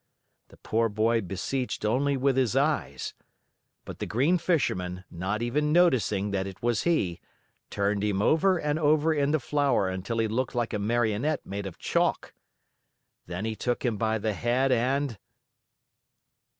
The poor boy beseeched only with his eyes. But the Green Fisherman, not even noticing that it was he, turned him over and over in the flour until he looked like a Marionette made of chalk. Then he took him by the head and